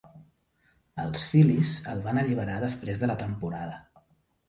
Els Phillies el van alliberar després de la temporada.